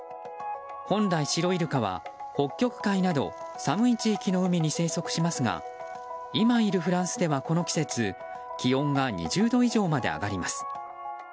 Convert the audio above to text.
本来、シロイルカは北極海など寒い地域の海に生息しますが今いるフランスではこの季節気温が２０度以上まで上がります。